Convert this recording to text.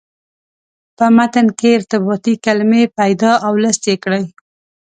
په متن کې ارتباطي کلمې پیدا او لست یې کړئ.